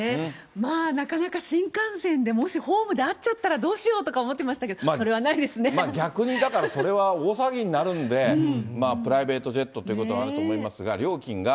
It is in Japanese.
まあなかなか新幹線で、もしホームで会っちゃったらどうしようとか思ってましたけど、そまあ、逆にだからそれは大騒ぎになるんで、プライベートジェットということもあると思いますが、料金が。